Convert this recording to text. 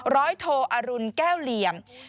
ร้อยโทอรุณแก้วเหลี่ยม